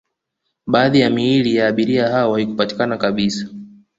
baadhi ya miili ya abiria hao haikupatikana kabisa